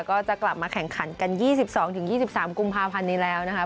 ก็จะกลับมาแข่งขันกัน๒๒๒๓กุมภาพันธ์นี้แล้วนะคะ